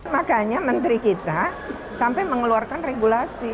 makanya menteri kita sampai mengeluarkan regulasi